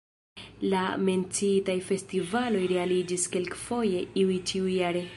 La menciitaj festivaloj realiĝis kelkfoje, iuj ĉiujare.